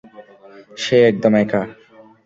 সে একদম একা।